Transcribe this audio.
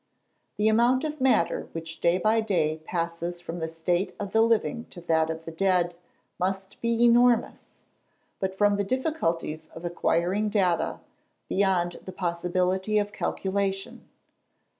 The amount of matter which day by day passes from the state of the living to that of the dead, must be enormous; but from the difficulties of acquiring data, beyond the possibility of calculation.